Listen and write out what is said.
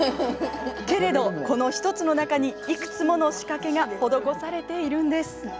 けれどこの１つの中にいくつもの仕掛けが施されているんです。